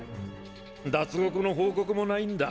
脱獄の報告もないんだ。